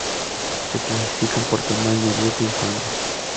Se clasifican por tamaño, dieta y fama.